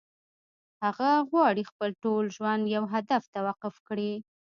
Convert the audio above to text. هغه غواړي خپل ټول ژوند يو هدف ته وقف کړي.